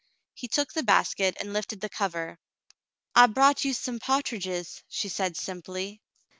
He took the basket and lifted the cover. " I brought you some pa'triges," she said simply.